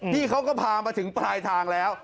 พี่เขาก็พามาถึงปลายทางแล้ว